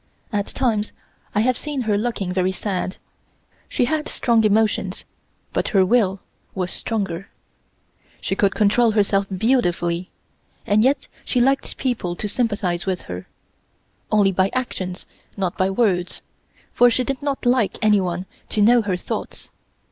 At times I have seen her looking very sad. She had strong emotions, but her will was stronger. She could control herself beautifully, and yet she liked people to sympathize with her only by actions, not by words, for she did not like anyone to know her thoughts.